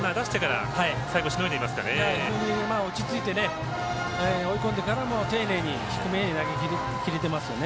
非常に落ち着いて追い込んでからも丁寧に低めに投げ切れていますね。